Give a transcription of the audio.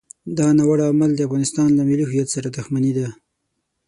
دا ناوړه عمل د افغانستان له ملي هویت سره دښمني ده.